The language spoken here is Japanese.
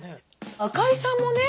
赤井さんもね